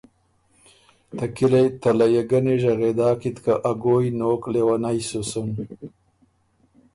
ته کِلئ ته لیه ګنی ژغېدا کی ت که ا ګویٛ نوک لېونئ سُو سُن۔